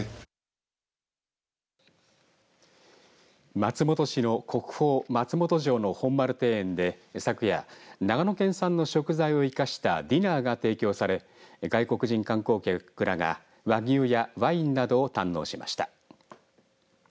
松本市の国宝松本城の本丸庭園で昨夜長野県産の食材を生かしたディナーが提供され外国人観光客らが和牛やワインなどを堪能しました。